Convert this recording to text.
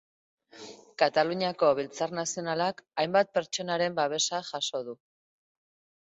Kataluniako Biltzar Nazionalak hainbat pertsonaren babesa jaso du.